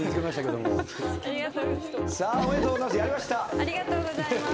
おめでとうございます。